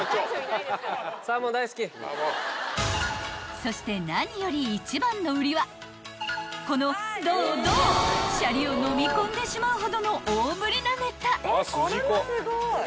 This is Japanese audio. ［そして何より一番の売りはこのどどシャリをのみ込んでしまうほどの大ぶりなネタ］